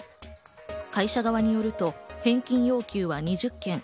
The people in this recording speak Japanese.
会社側によると、返金要求は２０件。